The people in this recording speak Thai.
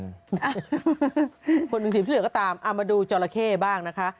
คนหนึ่งสีที่เหลือก็ตามเอามาดูจอราเข้บ้างนะคะ